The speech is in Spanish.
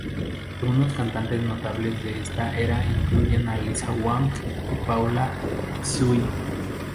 Algunos cantantes notables de esta era incluyen a Liza Wang y Paula Tsui.